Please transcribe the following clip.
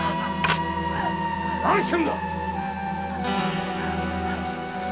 何してんだ！